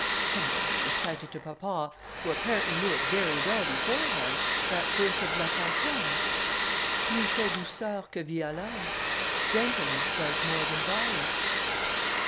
"And then he recited to papa, who apparently knew it very well beforehand, that verse of La Fontaine "Plus fait douceur que violence." Gentleness does more than violence.